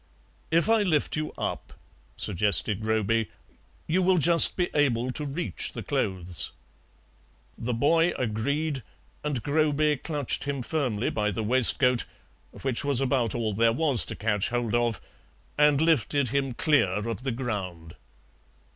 "If I lift you up," suggested Groby, "you will just be able to reach the clothes." The boy agreed, and Groby clutched him firmly by the waistcoat, which was about all there was to catch hold of, and lifted, him clear of the ground.